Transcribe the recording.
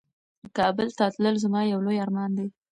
کابل ته تلل زما یو لوی ارمان دی.